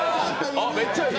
あ、めっちゃいい。